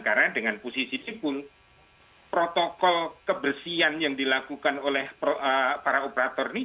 karena dengan posisi pool protokol kebersihan yang dilakukan oleh para operator ini